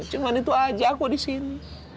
cuma itu aja aku di sini